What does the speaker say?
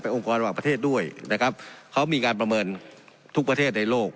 องค์กรระหว่างประเทศด้วยนะครับเขามีการประเมินทุกประเทศในโลก